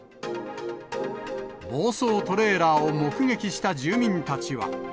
暴走トレーラーを目撃した住民たちは。